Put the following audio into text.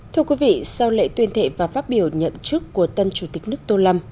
thưa quý vị sau lệ tuyên thệ và phát biểu nhậm chức của tân chủ tịch nước tôn lâm